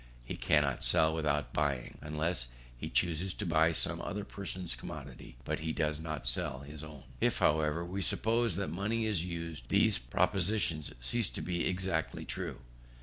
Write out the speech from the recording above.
He cannot sell without buying. Unless he chooses to buy some other person's commodity, he does not sell his own. If, however, we suppose that money is used, these propositions cease to be exactly true.